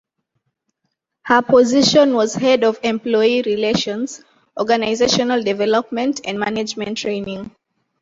Her position was Head of Employee Relations, Organizational Development and Management Training.